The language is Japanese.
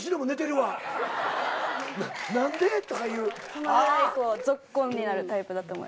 そのぐらいぞっこんになるタイプだと思います。